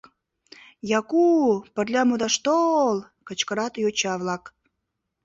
— Яку-у-у, пырля модаш то-о-ол! — кычкырат йоча-влак.